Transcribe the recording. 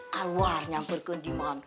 keluar nyamper ke diman